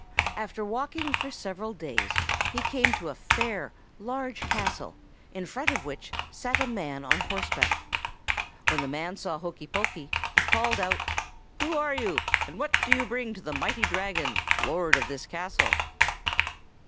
"After walking for several days, he came to a fair, large castle, in front of which sat a man on horseback. When the man saw Hokey Pokey, he called out,— "'Who are you, and what do you bring to the mighty Dragon, lord of this castle?